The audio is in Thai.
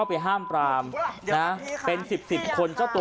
ก็แค่มีเรื่องเดียวให้มันพอแค่นี้เถอะ